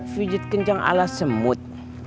pijit kencang ala semut